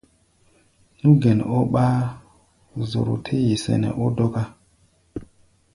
Nú gɛn ɔ́ ɓáá, zoro tɛ́ ye sɛnɛ ɔ́ dɔ́ká.